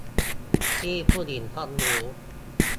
ที่ผู้หญิงต้องรู้